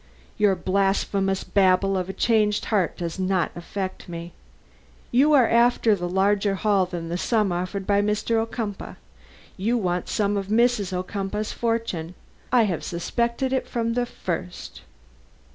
Your blasphemous babble of a changed heart does not affect me. You are after a larger haul than the sum offered by Mr. Ocumpaugh. You want some of Mrs. Ocumpaugh's fortune. I have suspected it from the first."